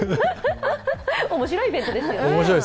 面白いイベントですよね。